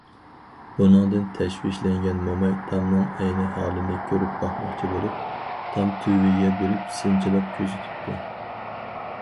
بۇنىڭدىن تەشۋىشلەنگەن موماي تامنىڭ ئەينى ھالىنى كۆرۈپ باقماقچى بولۇپ، تام تۈۋىگە بېرىپ سىنچىلاپ كۆزىتىپتۇ.